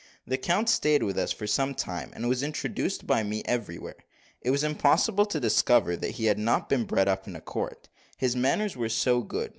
The count stayed with us for some time, and was introduced by me everywhere. It was impossible to discover that he had not been bred up in a court, his manners were so good.